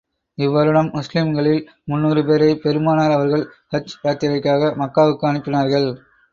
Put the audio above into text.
இவ்வருடம் முஸ்லிம்களில் முந்நூறு பேரை, பெருமானார் அவர்கள் ஹஜ் யாத்திரைக்காக மக்காவுக்கு அனுப்பினார்கள்.